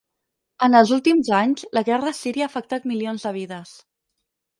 En els últims anys, la guerra a Síria ha afectat milions de vides.